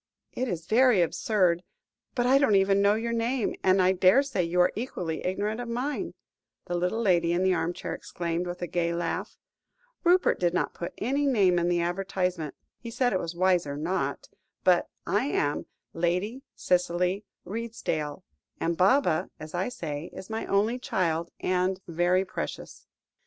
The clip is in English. "It is very absurd, but I don't even know your name, and I daresay you are equally ignorant of mine?" the little lady in the armchair exclaimed, with a gay laugh. "Rupert did not put any name in the advertisement; he said it was wiser not but I am Lady Cicely Redesdale, and Baba, as I say, is my only child, and very precious."